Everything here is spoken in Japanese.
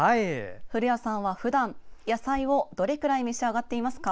古谷さんはふだん野菜をどれくらい召し上がっていますか？